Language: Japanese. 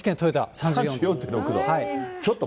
３４．６度。